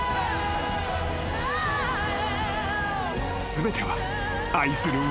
［全ては］